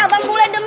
abang boleh demeg